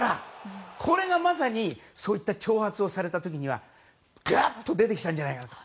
これがまさにそういった挑発をされた時にはがーっと出てきたんじゃないかと。